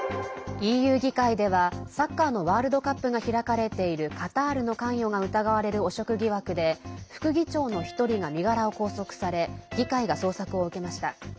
ＥＵ議会ではサッカーのワールドカップが開かれているカタールの関与が疑われる汚職疑惑で副議長の１人が身柄を拘束され議会が捜索を受けました。